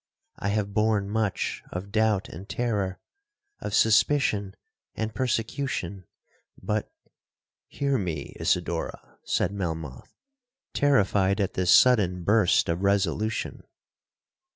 I have borne much of doubt and terror,—of suspicion and persecution,—but'—'Hear me, Isidora,' said Melmoth, terrified at this sudden burst of resolution.